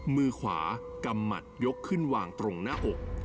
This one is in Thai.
มือขวากำหมัดยกขึ้นวางตรงหน้าอก